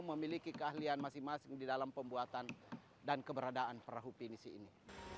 memiliki keahlian masing masing di dalam pembuatan dan keberadaan perahu pinisi ini